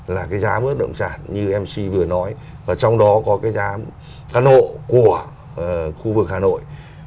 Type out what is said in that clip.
là cái giá bất động sản như mc vừa nói và trong đó có cái giá căn hộ của khu vực hà nội